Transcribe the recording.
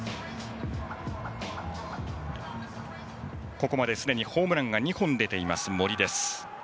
ここまですでにホームランが２本出ています、森。